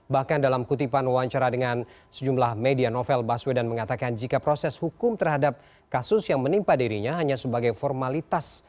bahkan dalam kutipan wawancara dengan sejumlah media novel baswedan mengatakan jika proses hukum terhadap kasus yang menimpa dirinya hanya sebagai formalitas